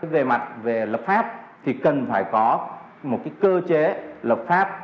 về mặt về lập pháp thì cần phải có một cơ chế lập pháp